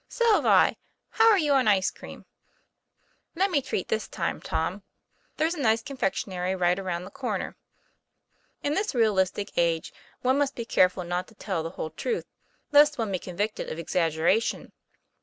'* So've I. How are you on ice cream ?" 'Let me treat this time, Tom. There's a nice confectionery right around the corner." In this realistic age one must be careful not to tell the whole truth, lest one be convicted of exaggera tion.